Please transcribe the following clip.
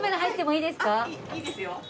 いいですよ。